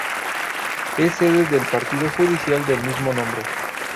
Es sede del Partido Judicial del mismo nombre.